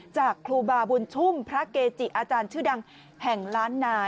จากครูบาบุญชุ่มพระเกจิอาจารย์ชื่อดังแห่งล้านนา